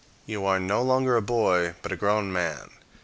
You are no longer a boy, but a grown man.